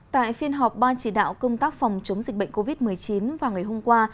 tại phiên họp ban chỉ đạo công tác phòng chống dịch bệnh covid một mươi chín vào ngày hôm qua